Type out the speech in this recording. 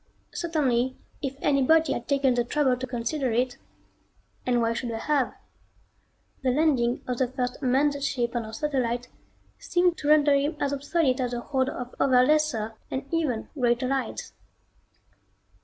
Certainly if anybody had taken the trouble to consider it and why should they have? the landing of the first manned ship on our satellite seemed to render him as obsolete as a horde of other lesser and even greater lights.